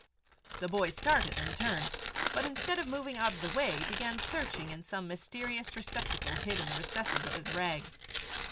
The boy started and turned, but instead of moving out of the way, began searching in some mysterious receptacle hid in the recesses of his rags.